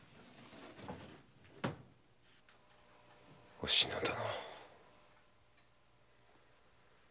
お篠殿。